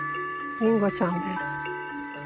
りんごちゃんです。